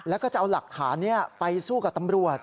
แล้วก็จะเอาหลักฐานนี้ไปสู้กับตำรวจ